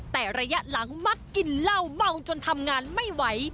แต่ระยะหลังมักกินเหล้าเมาจนทำงานไม่ไหว